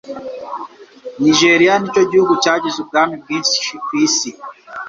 Nigeria nicyo gihugu cyagize ubwami bwinshi ku isi